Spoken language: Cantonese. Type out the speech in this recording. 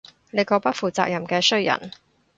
你個不負責任嘅衰人